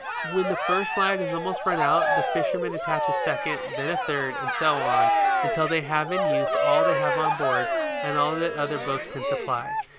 When the first line has almost run out, the fisherman attach a second, then a third, and so on till they have in use all they have on board, and all that the other boats can supply.